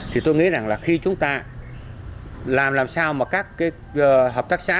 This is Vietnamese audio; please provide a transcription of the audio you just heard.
thì tôi nghĩ rằng là khi chúng ta làm làm sao mà các cái hợp tác xã